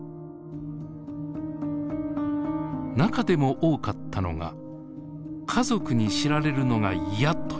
中でも多かったのが「家族に知られるのが嫌」という回答です。